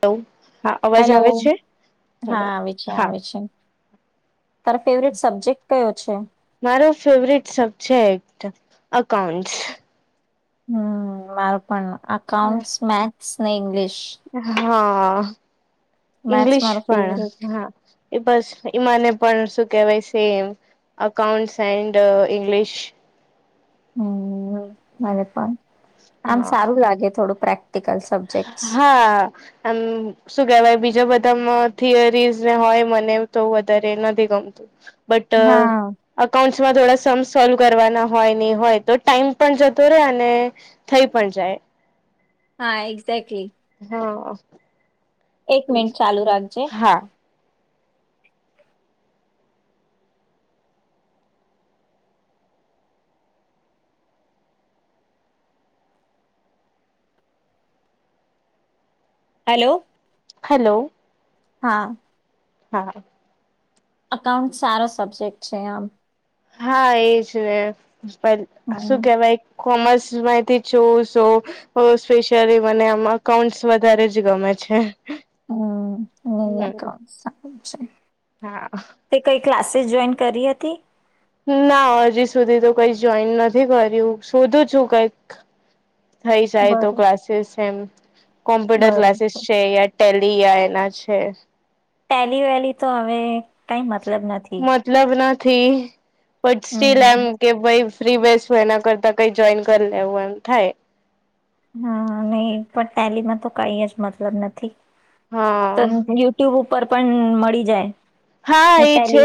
Hello હા, અવાજ hello આવે છે, હલો હા હા. તારા ફેવરેટ સબ્જેક્ટ કયો છે? મારો ફેવરટ સબજેક્ટ એકાઉન્ટ. હમ, મારો પણ. અઉન્ટસ મેથસ ને ઇંગ્લિશ. હા, મેથ્સ ઇંગ્લિશ મારો ફેવરેટ પણ હા. એ બસ, એ મને પણ શું કેહેવાય સેમ અકાઉન્ટસ એન્ડ ઇંગ્લિશ. હમ, મને પણ. આમ હા સારું લાગે થોડું પ્રેક્ટિકલસ. હા! અમ શું કેહેવાય બીજા બધામાં થિયરીઝને હોય મને તો વધારે નથી ગમતું. બટ અ હા અકાઉન્ટસમાં થોડા સમ સોલ્વ કરવાના હોય ને એ હોય તો ટાઈમ પણ જતો રહેે અને થઈ પણ જાય. હા, એક્ઝેક્ટલી! હ. એક મિનિટ ચાલુ રાખજે. હા હેલો. હલો! હા. હા, અકાઉન્ટ સારો સબ્જેક્ટ છે આમ. હા, એ જ પણ હમ શું કેવાય? કોમર્સમાંથી ચોશો સ્પેશિયલી મને આમાં અકાઉન્ટ્સ વધારે જ ગમે છે. હમ, નઈ હમ અકાઉન્ટ્સ સારુ છે. હા. તે કઈ ક્લાસીસ જોઈન કરી હતી? ના! હજી સુધી તો કઈ જોઈન નથી કર્યું, શોધું છું કઈક થઈ જાય તો બરો ક્લાસીસ એમ કોમ્પ્યુટર ક્લાસીસ બરોબર છે [unintelligible] ટેલિ આયના છે. ટેલિ વેલી તો હવે કઈ મતલબ નથી. મતલબ નથી. બટ સ્ટીલ હમ એમ કે ભઈ ફ્રી બેસવું એના કરતા કઈ જોઈન કરી લેવું એમ થાય. હા, નહી પણ ટેલીમાં તો કઈ જ મતલબ નથી. તન હા ટ્યુબ ઉપર પણ મળી જાય હા ને એ છે ટેલિ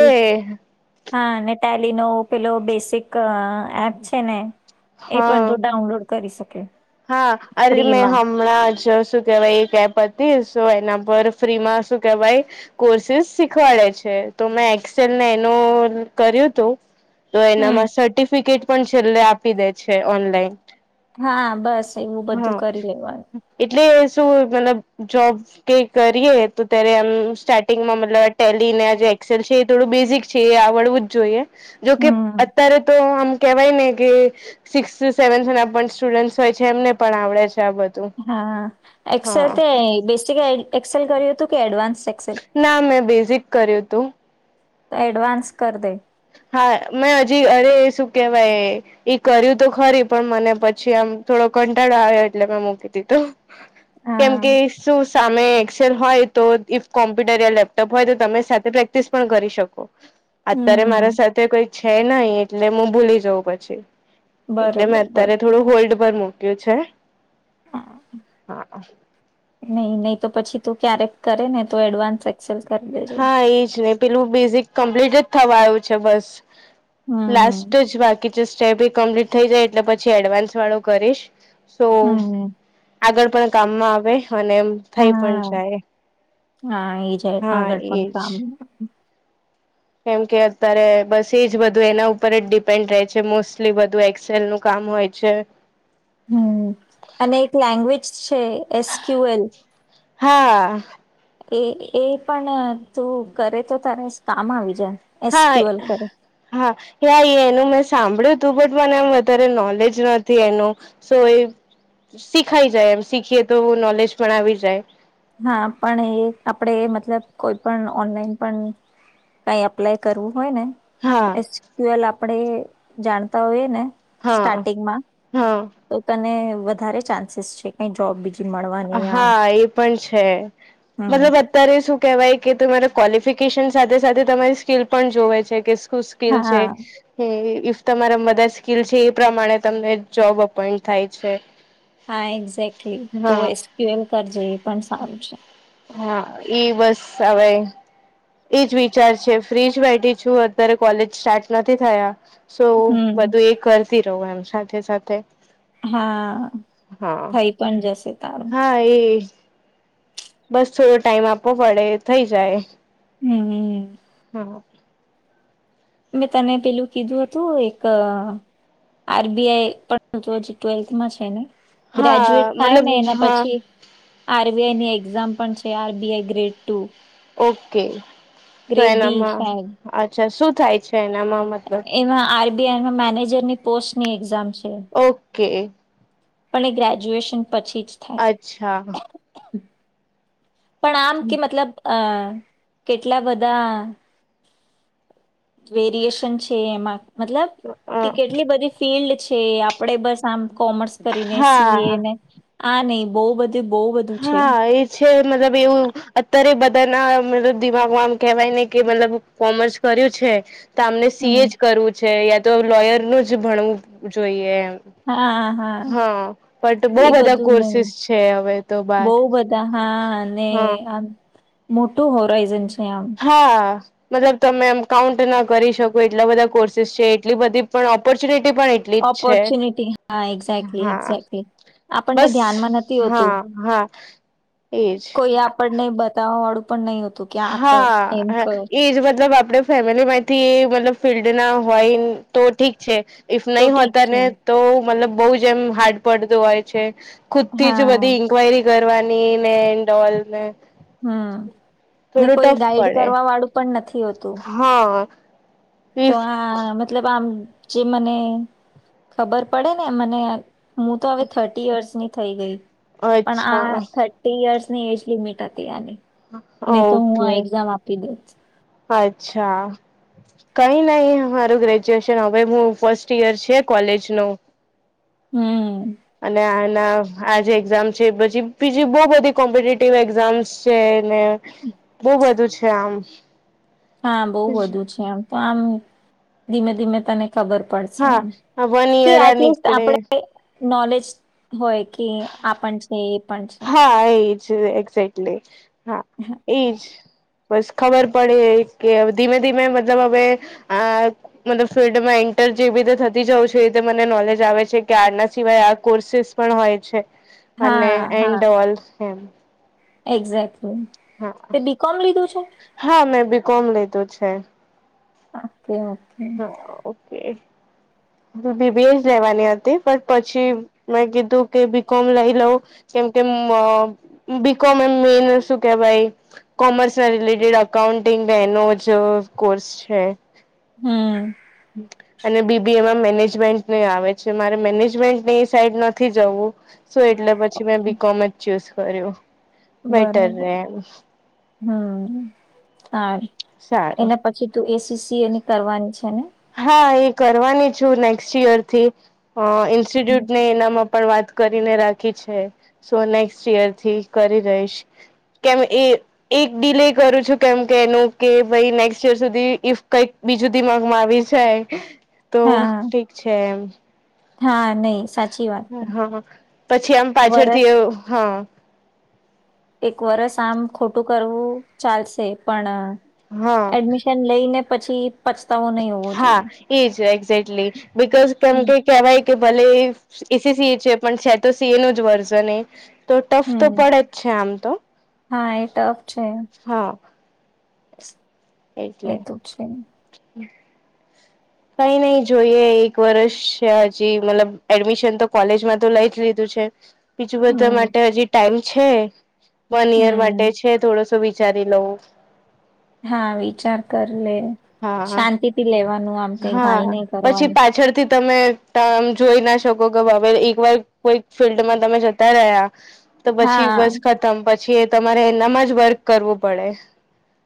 હા, ને ટેલીનો પેલો બેસિક અ એપ છે ને એ પણ હા તું ડાઉનલોડ કરી શકે. હા, અરેરે મે ફ્રીમાં હમ ણાં જ શું કેવાય એક એપ અતી શુ એના પર ફ્રીમાં શું કેવાય કોર્સિસ શીખવાડે છે, તો મેં એક્સેલને એનું કર્યુંતું. તો હમ એનામાં સર્ટિફિકેટ પણ છેલ્લે આપી દે છે ઓનલાઈન. હા, બસ એવું બધું હા કરી લેવાનું. એટલે શું મતલબ જોબ કે કરીએ તો ત્યારે એમ સ્ટાર્ટિંગમાં મતલબ ટેલી ને આ જે એક્સેલ છે એ થોડું બેઝિક છે એ આવડવું જ જોઈએ. જોકે હમ અત્યારે તો આમ કેવાય ને કે સિકસ સેવન્થના પણ સ્ટુડન્ટસ્ ટ હોય છે, એમને પણ આવડે છે આ બધું. હા એક્સેલ હા તે બેસિક એડ એક્સેલ કર્યુંતું કે એડવાન્સ એક ના મેં બેઝિક કર્યુંતું. તો એડવાન્સ કર દે. હા, મેં હજી અરે શું કેહેવાય. ઈ કર્યું તો ખરી પણ મને પછી આમ થોડો કંટાળો આવ્યો એટલે મેં મૂકી દીધું. કેમ હા કે શું સામે એક્સેન હોય તો ઇફ કોમ્પ્યુટર યા લેપ હોય તો તમે સાથે પ્રેક્ટિસ પણ કરી શકો. અત્યારે મારા હમ સાથે કોઈ છે નહી એટલે હું ભૂલી જઉં પછી. એટલે બરોબર મેં અત્યારે બરોબર થોડું હોલ્ડ પર મૂક્યું છે. હા નહી નહી તો પછી તું ક્યારેક કરે ને તો એડવાન્સ [unintelligible] હા એજ ને પેલું બેઝિક કમ્પ્લીટ જ થવા આવું છે બસ. હમ લાસ્ટ જ બાકી સ્ટેપ એ કમ્પ્લીટ થઈ જાય એટલે પછી એડવાન્સ વાળું કરીશ. સો, હમ આગળ પણ કામમાં આવે અને થઈ પણ હા, જાય હા એ જ હા આગળ પણ એજ સાભળ કેમ કે અત્યારે બસ એજ બધું એના ઉપર જ ડિપેન્ડ રહે છે મોસ્ટલી બધું એક્સેલ નું કામ હોય છે. હમ્મ અને એક લેંગ્વેજ છે એસ ક્યુ એલ. હા. એ એ પણ તું કરે તો તારે કામ આવી જ હા. હા એનું મેં સાંભળ્યું તું બટ મને એમ વધારે નોલેજ નથી એનું. સો એ, શીખાઈ જાય એમ શીખીએ તો નોલેજ પણ આવી જાય. હા પણ એ આપણેે મતલબ કોઈ પણ ઓનલાઈન પણ કઈ એપ્લાય કરવું હોય ને હા એ્યુલ આપણેે જાણતા હોઈએ ને હા સ્ટાર્ટિંગમાં, હા તો તને વધારે ચાન્સીસ છે કઈ જોબ બીજ હા એ પણ છે હમ. મતલબ ત્યારે શું કહેવાય કે તમારે ક્વોલિફિકેશન સાથે સાથે તમારી સ્કીલ પણ જોવે છે કે શું સ્કીલ હા છે? હમ્મ, ઈફ તમારા બધા સ્કીલ છે એ પ્રમાણે તમને જોબ અપોઈન્ટ થાય છે. હા એક્ઝેક્ટલી તો હા એસ ક્યુ એલ કરજે એ પણ સારું છે. હા ઈ બસ હવે એજ વિચાર છે ફ્રી જ બેઠી છું અત્યારે કોલેજ સ્ટાર્ટ નથી થયા. સૌ હમ બધું એ કરતી રહું એમ સાથે સાથે. હા, હા. થઈ પણ જશે તા. હા એ. બસ થોડો ટાઈમ આપવો પડે થઈ જાય. હમ. હમ્મ. મેં તને પેલું કીધું હતું એક આર બી આઈ પણ હજી ટ્વેલ્થમાં છે ને ગ્રેજ્યુએટ હા થાય ને મતલબ એના હા પછી આર બી આઈ ની એક્ઝામ પણ છે, R B I grade two. Okay તો ગ્રેડ બી એનામાં શાયદ અચ્છા શું થાય છે એનામાં મતલબ? એમાં આર બી આઈમાં મેનેજરની પોસ્ટ ની એક્ઝામ છે. ઓકે. પણ એ ગ્રેજ્યુએશન પછી જ થાય અચ્છા. પણ આમ કે મતલબ અ કેટલા બધા વેરિએશન છે એમાં મતલબ કે કેટલી બધી ફિલ્ડ છે, આપણેે બસ આમ કોમર્સ કરીને સી એ હા ને આ નહી બહુ બધું બહ બધું છે હા એ છે મતલબ એવું અત્યારે બધાના મત દિમાગમાં આમ કેવાય ને કે મતલબ કોમર્સ કર્યું છે. તો આમને સી હમ એ જ કરવું છે યા તો લોયર નું જ ભણવું જોઈએ. હા બટ બવ બધા કોર્સિસ છે હવે તો બાર બવ બધા હા અને હા આમ મોટું હોરાઈઝન છે આમ. હા. મતલબ તમે એમ કાઉન્ટ ના કરી શકો એટલા બધા કોર્સેસ છે એટલી બધી પણ ઓપોર્ચ્યુનિટી પણ એટલી જ છે ઓપોર્ચ્યુનિટી હા એક્ઝેક્ટલી હા એક્ઝેક્ટલી આપણને બસ ધ્યાનમાં નથી હોતું. હા હા એજ કોઈ આપણને બતાવવા વાળું પણ નહોતુ. હા હ એજ મતલબ આપણેે ફેમિલી માંથી મતલબ ફિલ્ડ ના હોય તો ઠીક છે ઈફ તો નહીં ઠીક હોતા ને છે તો મતલબ બહુ જ એમ હાર્ડ પડતું હોય છે ખુદ થી જ હા બધી ઇન્ક્વાયરી કરવારની ને ઓલ ને હમ ને થોડું કોઈ ટફ ગાઈડ પડે કરવા વાળું પણ નથી હોતું. હા તો ઇફ આ મતલબ આમ જે મને ખબર પડે ને મને હું તો હવે થર્ટી યર્સ ની થઈ ગઈ પણ આ અચ્છા થર્ટી ઈયરની એજ લિમિટ હતી આની નય તો હું આ ઓકે એક્ઝામ આપી દેત. અચ્છા કઈ નઈ મારું ગ્રેજ્યુએશન હવે હું ફર્સ્ટ ઈયર છ કોલેજ નું હમ અને આના આ જે એક્ઝામ છે પછી બીજી બવ બધી કોમ્પિટેટિવ એક્ઝામ્સ છે ને બહુ બધું છે આમ હા બહુ વધુ છે આમ તો આમ ધીમે ધીમે તને ખબર પડશે હા આમ વન કે યર આ એટલીસ્ટ નીકળે આપણે નોલેજ હોય કે આપ પણ છે એ પણ છે. એક્ઝેકલી હા છે એજ. બસ ખબર પડે કે ધીમે ધીમે મતલબ હવે આ મતલબ ફિલ્ડમાં એન્ટર જે રીતે થતી જઉ છે એ રીતે મને નોલેજ આવે છે કે આના સિવાય આ કોર્સીસ પણ હોય છે અને હા એન્ડ ઓલ્ એમ એકઝેટલી હા [unintelligible] હા મેં બી. કોમ. લીધું છે ઓકે ઓકે હા ઓકે. બી. બી. એ. જ લેવાની હતી પણ પછી મેં કીધું કે બી. કોમ. લઈ લઉં. કેમ કે બી. કોમ. એમ મેન શું કેવાઈ કોમર્સ ના રિલેટેડ અકાઉન્ટિંગ એનો જ કોર્સ છે. હમ હમ અને બી. બી. એ. માં મેનેજમેન્ટ નુય આવે છે મારે મેનેજમેન્ટની સાઈડ નથી જવું. શું એટલે પછી મેં ઓકે બી. કોમ. જ ચુઝ કર્યું બેટર બરોબર રે એમ હમ હાર સારું એના પછી તું એન. સી. સી. એય કરવાની છે ને? હા એ કરવાની છું નેક્સ્ટ ઈયર થી ઇન્સ્ટિટ્યુટ ને એનામાં પણ વાત કરીને રાખી છે સો નેક્સ્ટ ઈયર થી કરી રહીશ કેમ એ એક ડીલ એ કરું છું કેમ કે એનું કે ભાઈ નેક્સ્ટ ઈયર સુધી ઇફ કઈક બીજું દીમાગમાં આવી જાય તો હા ઠીક છે. હા નહી સાચ હા પછી આમ પાછળથી વરસ એવું હા એક વરસ આમ ખોટું કરવું ચાલશે પણ હમ એડમિશન લઈ ને પછી પછતાવો નહી હોવો હા જોઈએ એજ એક્ઝેક્ટલી બિકોઝ કેમ હમ કે કેવાય કે ભલે એસી સી એ છે પણ છે તો સી એ નુ જ વર્ઝન તો ટ્સ્ટ હમ પડે જ છે આમ તો હા એ ટફ છે હા એટલે એ તો છે કઈ નઈ જોઈએ એક વર્ષ છે હજી મતલબ એડમિશન તો કોલેજમાં તો લઈ જ લીધું છે બીજું બધા હમ માટે હજી ટાઈમ છે વન યર હમ માટે છે થોડોસો વિચારી લઉવં હા વિચાર કર લે હા શાંતિથી લેવાનું આમ કઈ હા ઘાઈ નહી પછી કરવાની પાછળથી તમે ત જોઈ ના શકો કે ભવે એક વાર કોઈ ફિલ્ડમાં તમે જતા રહ્યા તો પછી હા બસ ખતમ પછી એ તમારે એનામાં જ વર્ક કરવું પડે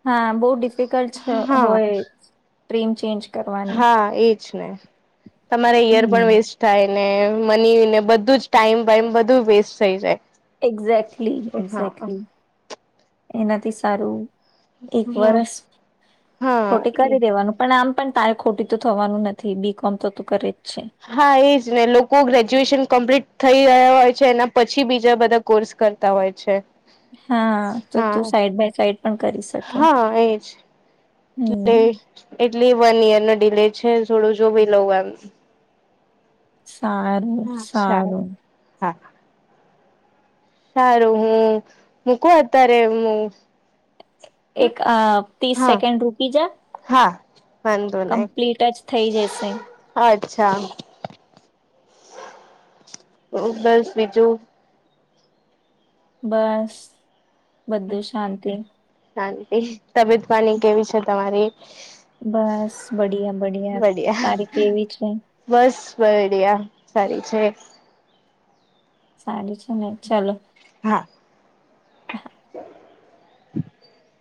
હા બહુ ડિફિકલ્ટ છે હા હોય ટ્રીમ ચેન્જ કરવાની હા એજ ને તમારે ઈયર હમ પણ વેસ્ટ થાય મની ને બધું જ ટાઈમ વાાઈમ બધું વેસ્ટ થઈ જાય એક્ઝેક્ટલી હા એક્ઝેક્ટલી એનાથી સારું એક હા વરષ હા ખોટી એ કરી દેવાનું પણ આમ પણ તારે ખોટી તો થવાનું નથી બી કોમ તો કરે જ છે હા એજ ને લોકો ગ્રેજ્યુએશન કમ્પ્લીટ થઈ રહ્યા હોય છે એના પછી બીજા બધા કોર્સ કરતા હોય છે હા તો તું હા સાઈડ બાય સાઈડ પણ કરી શકે હા એજ એટલે હમ એટલી વન ઈયર નો ડીલે છે થોડું જો ભી લઉમ સારું અચ્છા સારું હા સારું હું મૂકું અત્યારે એમ એક અ ત્રીસ હા સેકન્ડ રૂકી જા હા વાંધો નહી કમ્પ્લીટ જ થઇ જશે અચ્છા બસ બીજું બસ બધું શાંતિ શાંતિ તબિત પાની કેવી છે તમારી બસ બડિયા બડિયા તારી કેવી છે બસ બડિયા સારી છે સાડી છે ને ચાલો હા [inaudible]